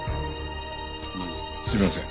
すみません